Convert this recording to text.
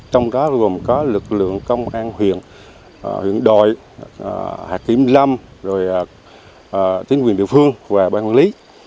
trong đó gồm có lực lượng công an huyện huyện đội hạ kiểm lâm tuyến quyền địa phương và ban quân lý